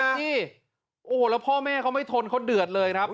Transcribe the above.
นี่โอ้โหแล้วพ่อแม่เขาไม่ทนเขาเดือดเลยครับ